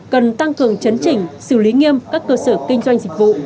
cần tăng cường chấn chỉnh xử lý nghiêm các cơ sở kinh doanh dịch vụ